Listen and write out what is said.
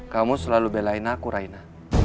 kamu selalu belain aku raina